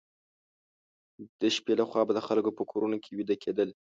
د شپې لخوا به د خلکو په کورونو کې ویده کېدل.